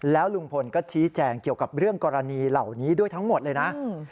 แล้วลุงพลก็ชี้แจงเกี่ยวกับเรื่องกรณีเหล่านี้ด้วยทั้งหมดเลยนะ